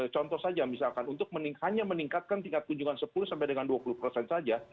contoh saja misalkan untuk hanya meningkatkan tingkat kunjungan sepuluh sampai dengan dua puluh persen saja